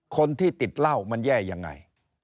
คนที่ติดเหล้ามันแย่ยังไง